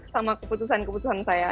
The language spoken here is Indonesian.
sama keputusan keputusan saya